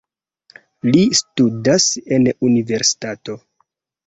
Li studas en universitato.